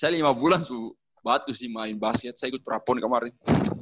saya lima bulan su batu sih main basket saya ikut prapon kemaren